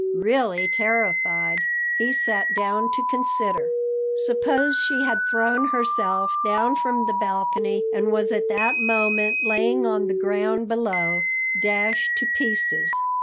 Really terrified, he sat down to consider. Suppose she had thrown herself down from the balcony, and was at that moment laying on the ground below, dashed to pieces!